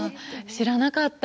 知らなかった。